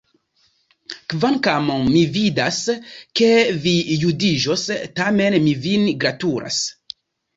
Kvankam mi vidas, ke vi judiĝos, tamen mi vin gratulas.